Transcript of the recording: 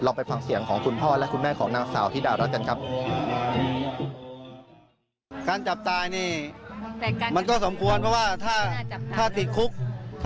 คนแบบนี้นะถึงเขาไม่มีมูลเราทำแหละผมว่าน่ะเขาก็ต้องมาปฏิบัติง่ะ